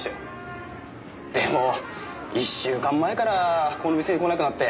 でも１週間前からこの店に来なくなって。